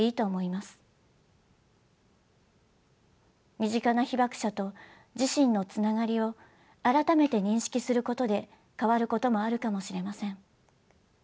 身近な被爆者と自身のつながりを改めて認識することで変わることもあるかもしれません。